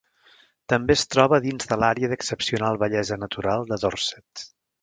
També es troba dins de l'àrea d'excepcional bellesa natural de Dorset.